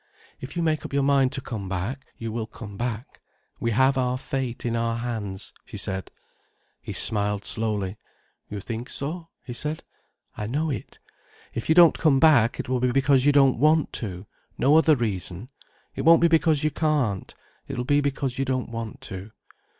"If you make up your mind to come back, you will come back. We have our fate in our hands," she said. He smiled slowly. "You think so?" he said. "I know it. If you don't come back it will be because you don't want to—no other reason. It won't be because you can't. It will be because you don't want to."